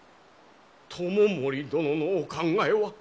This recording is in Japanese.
知盛殿のお考えは？